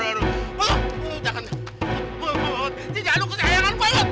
mamut jangan lo haru haru